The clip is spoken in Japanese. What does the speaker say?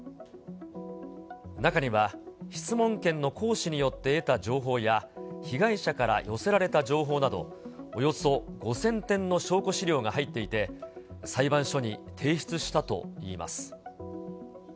中には質問権の行使によって得た情報や、被害者から寄せられた情報など、およそ５０００点の証拠資料が入っていて、裁判所に提出したといいます。